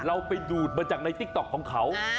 เราไปดูดมาจากในติ๊กต๊อกของเขา